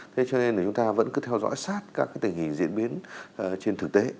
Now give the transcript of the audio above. thế cho nên là chúng ta vẫn cứ theo dõi sát các tình hình diễn biến trên thực tế